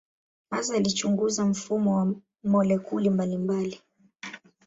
Hasa alichunguza mfumo wa molekuli mbalimbali.